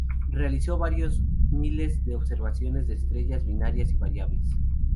Realizó varios miles de observaciones de estrellas binarias y variables.